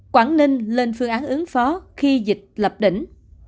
quảng ninh lên phương án ứng phó khi dịch lập đỉnh